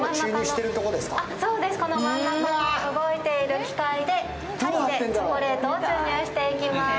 この真ん中の動いている機械で、チョコレートを注入していきます。